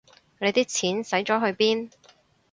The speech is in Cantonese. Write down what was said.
你啲錢使咗去邊